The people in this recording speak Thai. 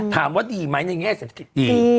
ถามว่าดีไหมในแง่เศรษฐกิจดี